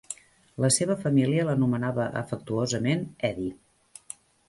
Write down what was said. La seva família l'anomenava afectuosament "Edi".